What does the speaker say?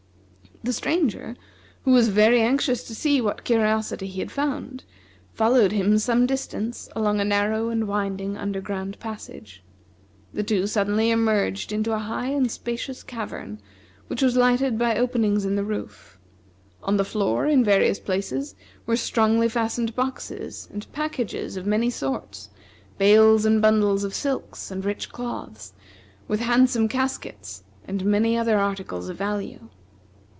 The Stranger, who was very anxious to see what curiosity he had found, followed him some distance along a narrow and winding under ground passage. The two suddenly emerged into a high and spacious cavern, which was lighted by openings in the roof; on the floor, in various places, were strongly fastened boxes, and packages of many sorts, bales and bundles of silks and rich cloths, with handsome caskets, and many other articles of value.